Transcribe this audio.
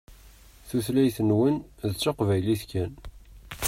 Tulayt-nwen d taqbaylit kan.